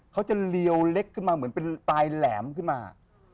เขาจะเลี้ยวเล็กขึ้นมาเหมือนเป็นปลายแหลมขึ้นมา